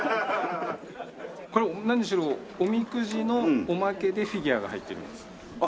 これ何しろおみくじのおまけでフィギュアが入ってるんです。